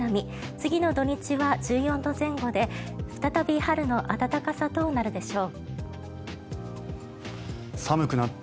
次の土日は１４度前後で再び春の暖かさとなるでしょう。